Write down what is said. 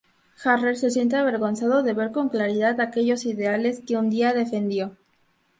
Harrer se siente avergonzado de ver con claridad aquellos ideales que un día defendió.